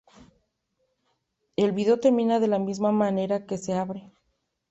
El video termina de la misma manera que se abre.